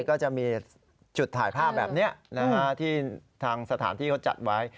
ก็จะมีจุดถ่ายภาพแบบนี้ที่ทางสถานที่เขาจัดไว้